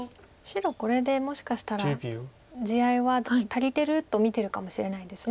白これでもしかしたら地合いは足りてると見てるかもしれないです